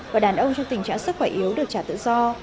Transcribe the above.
và đàn ông trong tình trạng sức khỏe yếu được trả tự do